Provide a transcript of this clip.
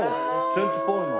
セントポールの。